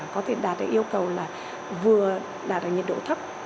có thể đạt được yêu cầu là vừa đạt được nhiệt độ thấp